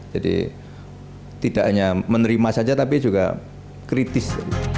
jadi tidak hanya menerima saja tapi juga kritis